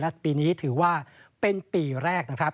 และปีนี้ถือว่าเป็นปีแรกนะครับ